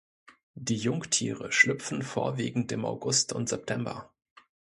Die Jungtiere schlüpfen vorwiegend im August und September.